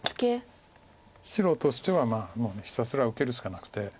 白としてはもうひたすら受けるしかなくて。